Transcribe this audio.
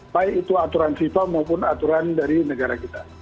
baik itu aturan fifa maupun aturan dari negara kita